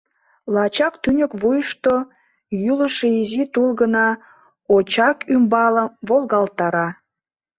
Лачак тӱньык вуйышто йӱлышӧ изи тул гына очак ӱмбалым волгалтара.